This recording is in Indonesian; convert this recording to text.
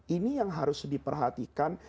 ini yang harus diperhatikan